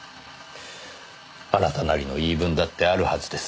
あなたなりの言い分だってあるはずです。